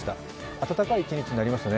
暖かい一日になりましたね。